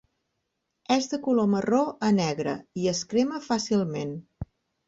És de color marró a negre i es crema fàcilment.